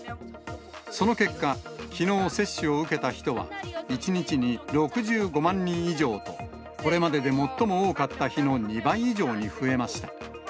その結果、きのう接種を受けた人は、１日に６５万人以上と、これまでで最も多かった日の２倍以上に増えました。